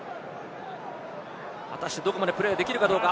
果たしてどこまでプレーできるかどうか。